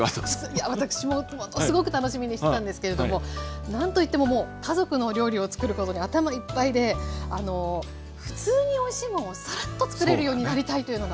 いや私もものすごく楽しみにしてたんですけれども何といってももう家族のお料理をつくることで頭いっぱいでふつうにおいしいもんをさらっとつくれるようになりたいというのが。